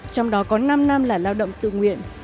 trong đó có năm năm là lao động tự nguyện